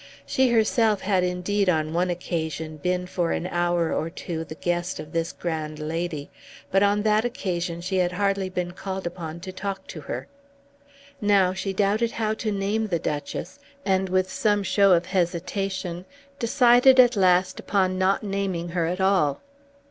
She herself had indeed on one occasion been for an hour or two the guest of this grand lady, but on that occasion she had hardly been called upon to talk to her. Now she doubted how to name the Duchess, and with some show of hesitation decided at last upon not naming her at all.